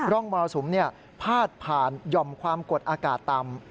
ร่องมรสุมพาดผ่านหย่อมความกดอากาศต่ำ